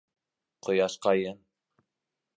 — Ҡояшҡайым!